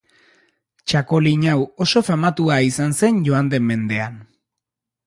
Txakolin hau oso famatua izan zen joan den mendean.